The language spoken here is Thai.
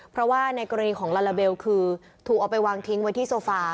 เพราะว่าในกรณีของลาลาเบลคือถูกเอาไปวางทิ้งไว้ที่โซฟา